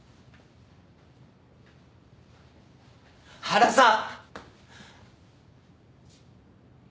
原さん！